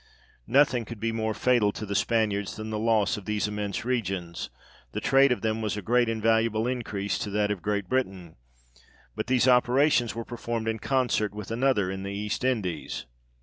Nothing could be more fatal to the Spaniards than the loss of these immense regions : the trade of them was a great and valuable increase to that of Great Britain ; but these operations were performed in concert with another in the East Indies.